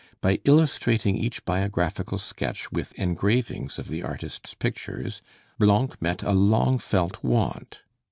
By illustrating each biographical sketch with engravings of the artists' pictures, Blanc met a long felt want.